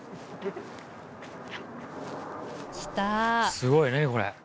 すごい何これ。